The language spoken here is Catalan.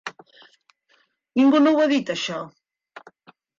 Ningú no ho ha dit, això.